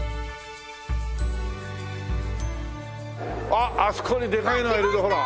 あっあそこにでかいのがいるぞほら。